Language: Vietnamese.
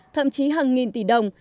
thậm chí hàng nghìn tỷ đồng